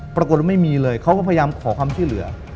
ปรากฏว่าไม่มีเลยเขาก็พยายามขอความช่วยเหลือ